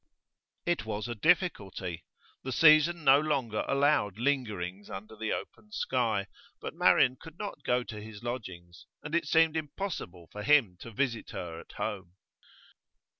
It was a difficulty. The season no longer allowed lingerings under the open sky, but Marian could not go to his lodgings, and it seemed impossible for him to visit her at her home.